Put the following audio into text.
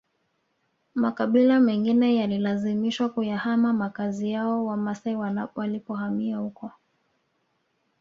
Makabila mengine yalilazimishwa kuyahama makazi yao Wamasai walipohamia huko